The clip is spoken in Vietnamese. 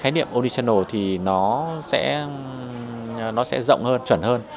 khái niệm odicanal thì nó sẽ rộng hơn chuẩn hơn